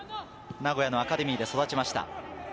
名古屋のアカデミーで育ちました。